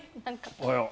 おはよう。